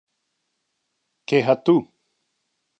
Que ha tu?